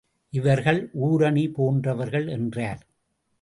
இவர்கள் ஊருணி போன்றவர்கள் என்றார்.